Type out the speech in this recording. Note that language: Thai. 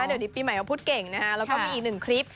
เดี๋ยวนี้ปีใหม่เขาพูดเก่งนะฮะแล้วก็มีอีกหนึ่งคลิป